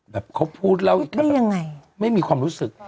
แบบเขาพูดแล้วยังไงไม่มีความรู้สึก